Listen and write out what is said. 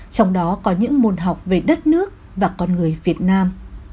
trong đó có những môn học về đất nước và con người việt nam